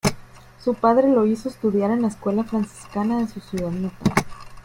Su padre lo hizo estudiar en la escuela franciscana de su ciudad natal.